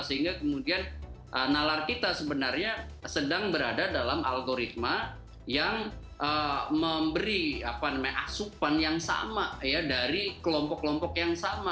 sehingga kemudian nalar kita sebenarnya sedang berada dalam algoritma yang memberi asupan yang sama dari kelompok kelompok yang sama